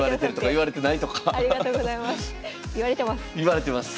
言われてます！